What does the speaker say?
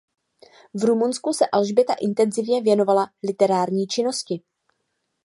V Rumunsku se Alžběta intenzivně věnovala literární činnosti.